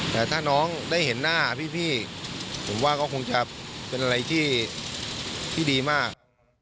แต่ถ้าน้องได้เห็นหน้าพี่ผมว่าก็คงจะเป็นอะไรที่ดีมาก